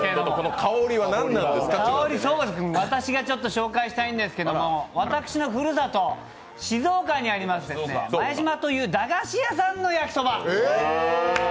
香り、私がちょっと紹介したいんですけど、私のふるさと、静岡にあります前島という駄菓子屋さんの焼そば。